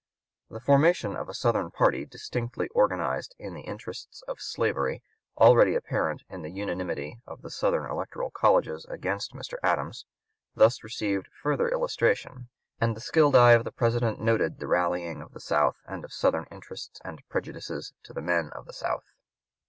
The formation of a Southern party distinctly organized in the interests of slavery, already apparent in the unanimity of the Southern Electoral Colleges against Mr. Adams, thus received further illustration; and the skilled eye of the (p. 189) President noted "the rallying of the South and of Southern interests and prejudices to the men of the South."